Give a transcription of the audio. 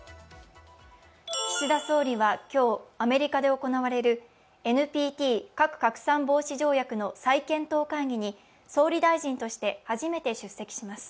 岸田総理は今日、アメリカで行われるＮＰＴ＝核拡散防止条約の再検討会議に総理大臣として初めて出席します。